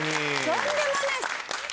とんでもない。